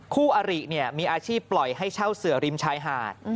คู่อริมีอาชีพปล่อยให้เช่าเสือริมชายหาด